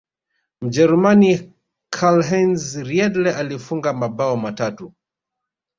mjerumani karlheinz riedle alifunga mabao matatu